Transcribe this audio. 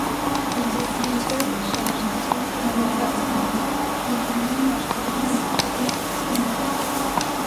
Դիտարկիչը, շարժիչը, հավելվածները, մոդուլներն աշխատում են առանձին պրոցեսներով։